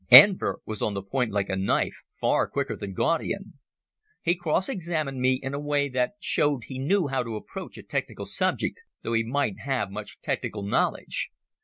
Enver was on the point like a knife, far quicker than Gaudian. He cross examined me in a way that showed he knew how to approach a technical subject, though he mightn't have much technical knowledge.